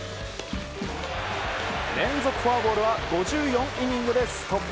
連続フォアボールは５４イニングでストップ。